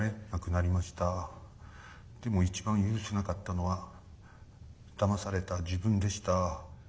でも一番許せなかったのはだまされた自分でした。